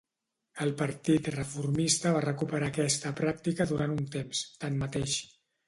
El Partit Reformista va recuperar aquesta pràctica durant un temps, tanmateix.